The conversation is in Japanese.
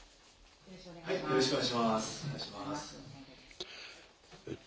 よろしくお願いします。